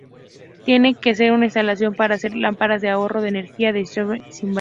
Tienen tiene una instalación para hacer lámparas de ahorro de energía de Havells-Sylvania.